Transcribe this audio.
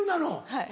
はい。